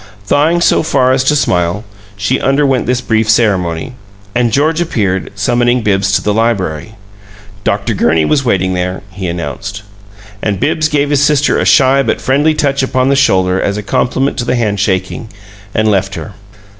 Thawing so far as to smile, she underwent this brief ceremony, and George appeared, summoning Bibbs to the library; Dr. Gurney was waiting there, he announced. And Bibbs gave his sister a shy but friendly touch upon the shoulder as a complement to the handshaking, and left her.